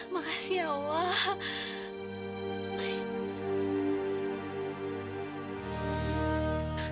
makasih ya allah